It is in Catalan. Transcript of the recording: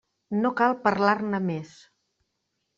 No cal parlar-ne més.